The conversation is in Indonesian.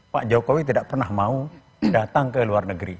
pak jokowi tidak pernah mau datang ke luar negeri